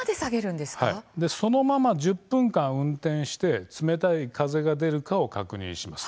そのまま１０分間、運転して冷たい風が出るかを確認します。